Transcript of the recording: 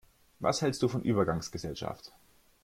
Was hälst du von Übergangsgesellschaft?